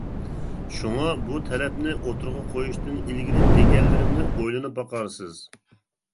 شۇڭا بۇ تەلەپنى ئوتتۇرىغا قويۇشتىن ئىلگىرى دېگەنلىرىمنى ئويلىنىپ باقارسىز.